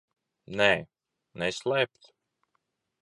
Nē? Neslēpt?